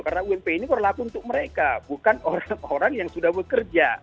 karena ump ini berlaku untuk mereka bukan orang orang yang sudah bekerja